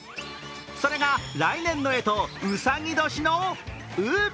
それが来年のえと、うさぎ年の「卯」。